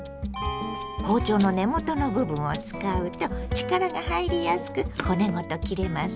包丁の根元の部分を使うと力が入りやすく骨ごと切れますよ。